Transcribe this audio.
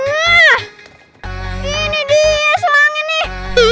wah ini dia semangat nih